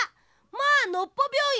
まあ「のっぽ病院」！